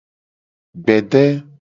Gbede.